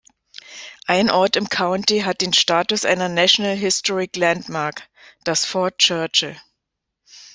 Ein Ort im County hat den Status einer National Historic Landmark, das Fort Churchill.